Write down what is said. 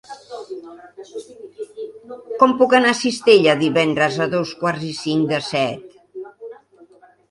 Com puc anar a Cistella divendres a dos quarts i cinc de set?